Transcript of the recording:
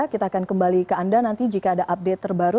kita akan kembali ke anda nanti jika ada update terbaru